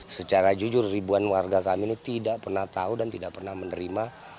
secara jujur ribuan warga kami ini tidak pernah tahu dan tidak pernah menerima